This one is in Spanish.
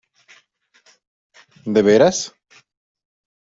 ¿ de veras?